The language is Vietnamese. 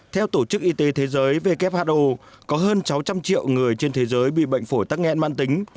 theo tổ chức y tế thế giới who có hơn sáu trăm linh triệu người trên thế giới bị bệnh phổi tắc nghẽn mạng tính